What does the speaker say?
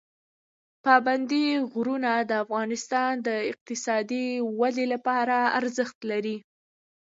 پابندی غرونه د افغانستان د اقتصادي ودې لپاره ارزښت لري.